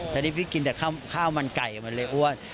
ตอนนี้พี่กินแต่ข้าวมันไก่มันเลยอ้วน